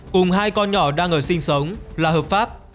cùng hai con nhỏ đang ở sinh sống là hợp pháp